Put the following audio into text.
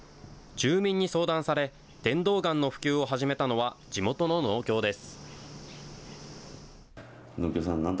住民に相談され、電動ガンの普及を始めたのは、地元の農協です。